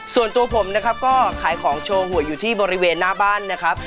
ส่วนตัวผมนะครับก็ขายของโชว์หวยอยู่ที่บริเวณหน้าบ้านนะครับ